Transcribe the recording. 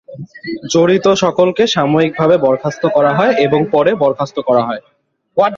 জড়িত সকলকে সাময়িকভাবে বরখাস্ত করা হয় এবং পরে বরখাস্ত করা হয়।